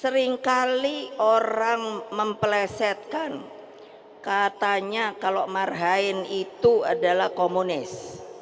seringkali orang mempelesetkan katanya kalau marhain itu adalah komunis